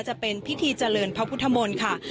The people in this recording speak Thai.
จะเป็นพิธีเจริญพระพุทธมนต์ค่ะ